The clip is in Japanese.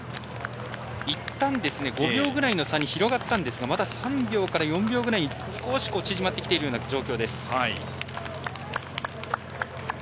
いったん５秒ぐらいの差に広がりましたがまた３秒から４秒くらいに少し縮まってきている状況です。